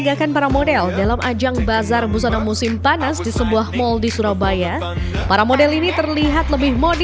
bagi para model selain menghindari gerah di tubuh mengenakan busana musim panas ternyata fleksibel